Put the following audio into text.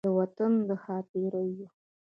د وطن د ښا پیریو